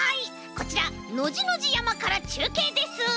こちらノジノジやまからちゅうけいです。